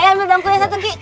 ayam ambil bangkunya satu ki